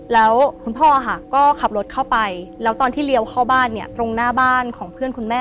แล้วคุณพ่อก็ขับรถเข้าไปแล้วตอนที่เลี้ยวเข้าบ้านเนี่ยตรงหน้าบ้านของเพื่อนคุณแม่